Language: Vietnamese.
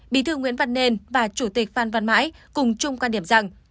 bí thư nguyễn văn nên và chủ tịch phan văn mãi cùng chung quan điểm rằng